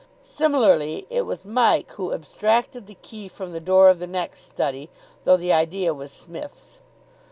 Similarly, it was Mike who abstracted the key from the door of the next study, though the idea was Psmith's.